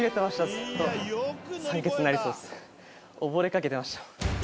ずっと溺れかけてました